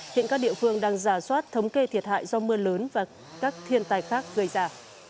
hiện các địa phương đang giả soát thống kê thiệt hại do mưa lớn và các thiên tài khác gây ra